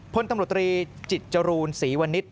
พลตำรวจตรีจิตจรูนศรีวณิชย